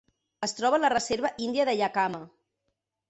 Es troba a la Reserva Índia de Yakama.